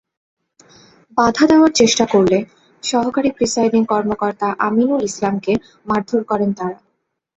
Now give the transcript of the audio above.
বাধা দেওয়ার চেষ্টা করলে সহকারী প্রিসাইডিং কর্মকর্তা আমিনুল ইসলামকে মারধর করেন তাঁরা।